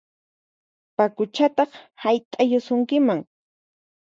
Paquchataq hayt'ayusunkiman!